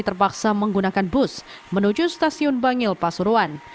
terpaksa menggunakan bus menuju stasiun bangil pasuruan